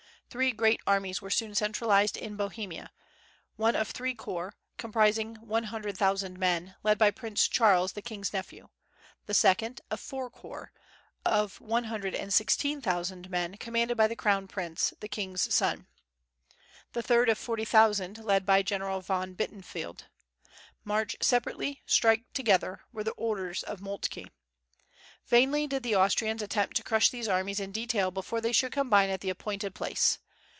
Three great armies were soon centralized in Bohemia, one of three corps, comprising one hundred thousand men, led by Prince Charles, the king's nephew; the second, of four corps, of one hundred and sixteen thousand men, commanded by the crown prince, the king's son; and the third, of forty thousand, led by General von Bittenfield. "March separately; strike together," were the orders of Moltke. Vainly did the Austrians attempt to crush these armies in detail before they should combine at the appointed place.